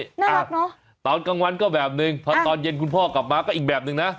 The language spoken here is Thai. หน้าอาบเนอะตอนกลางวันก็แบบนึงพอตอนเย็นคุณพ่อกลับมาก็อีกแบบนึงนะ